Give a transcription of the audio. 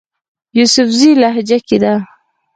يوسفزئ لهجه کښې ده